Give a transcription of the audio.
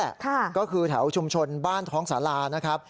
ไปเก็บตรงนั้นแหละก็คือแถวชุมชนบ้านท้องสารานะครับ